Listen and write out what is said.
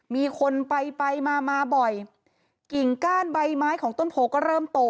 มีคนไปไปมามาบ่อยกิ่งก้านใบไม้ของต้นโพก็เริ่มโต